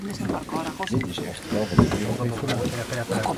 Dit is echter wel wat de wereld heeft gedaan.